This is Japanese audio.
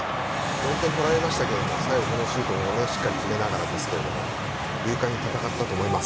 ４点取られましたけど最後、このシュートしっかり決めながらですけど勇敢に戦ったと思います。